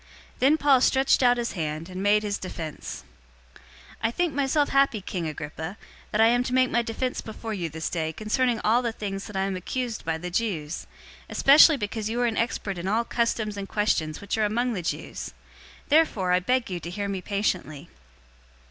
Then Paul stretched out his hand, and made his defense. 026:002 "I think myself happy, King Agrippa, that I am to make my defense before you this day concerning all the things that I am accused by the Jews, 026:003 especially because you are expert in all customs and questions which are among the Jews. Therefore I beg you to hear me patiently.